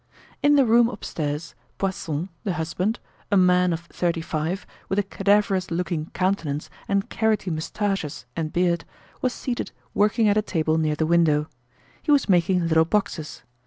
In the room upstairs, Poisson, the husband, a man of thirty five, with a cadaverous looking countenance and carroty moustaches and beard, was seated working at a table near the window. He was making little boxes.